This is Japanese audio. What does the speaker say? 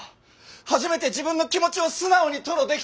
初めて自分の気持ちを素直に吐露にできたというか。